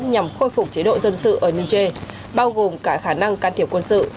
nhằm khôi phục chế độ dân sự ở niger bao gồm cả khả năng can thiệp quân sự